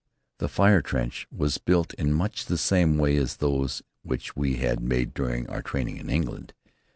The fire trench was built in much the same way as those which we had made during our training in England.